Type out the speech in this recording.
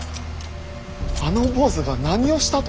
あの坊主が何をしたと！